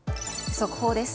速報です。